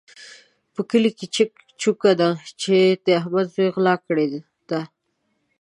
په کلي کې چک چوکه ده چې د احمد زوی غلا کړې ده.